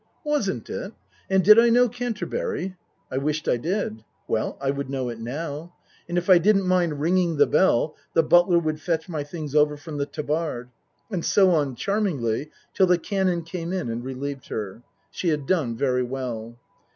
Wasn't it ? And did I know Canterbury ? I wished I did. Well I would know it now. And if I didn't mind ringing the bell the butler would fetch my things over from the " Tabard." And so on, charmingly, till the Canon came in and relieved her. She had done very well.